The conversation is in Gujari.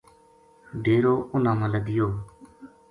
ڈیرو اُنھاں ما لدیو